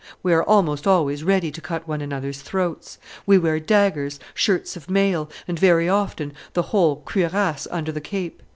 We are almost always ready to cut one another's throats. We wear daggers, shirts of mail, and very often the whole cuirass under the cape.